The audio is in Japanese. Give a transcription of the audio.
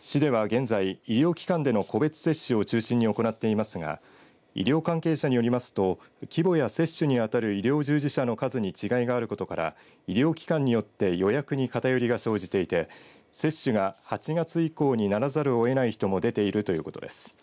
市では現在、医療機関での個別接種を中心に行っていますが医療関係者によりますと規模や接種にあたる医療従事者の数に違いがあることから医療機関によって予約に偏りが生じていて接種が８月以降にならざるを得ない人も出ているということです。